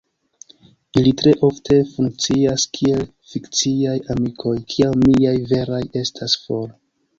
Ili tre ofte funkcias kiel fikciaj amikoj, kiam miaj veraj estas for.